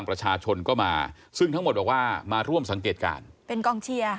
เป็นกองเชียร์